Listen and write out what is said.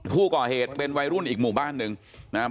ผู้ก่อเหตุเป็นวัยรุ่นอีกหมู่บ้านหนึ่งนะครับ